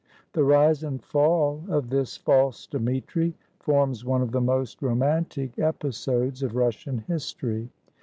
The rise and fall of this false Dmitri forms one of the most romantic episodes of Russian history.